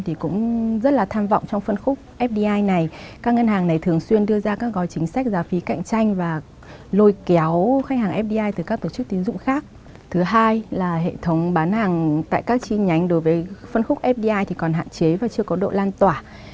thứ hai là hệ thống bán hàng tại các chi nhánh đối với phân khúc fdi còn hạn chế và chưa có độ lan tỏa